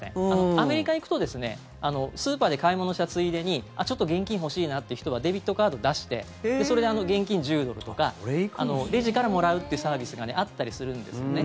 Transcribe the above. アメリカに行くとスーパーで買い物したついでにちょっと現金欲しいなって人はデビットカードを出してそれで、現金１０ドルとかレジからもらうってサービスがあったりするんですよね。